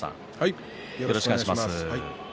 よろしくお願いします。